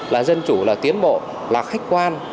là dân chủ là tiến bộ là khách quan